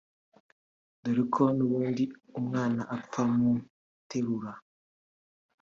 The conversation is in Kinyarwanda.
dore ko n’ubundi umwana apfa mu iterura”